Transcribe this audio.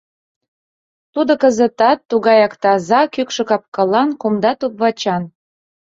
Тудо кызытат тугаяк таза, кӱкшӧ кап-кылан, кумда туп-вачан.